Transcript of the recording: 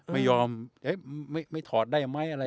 ไม่ยอมไอ้ยไม่ถอดได้ไปไหม